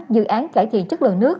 dự án cải thiện chất lượng nước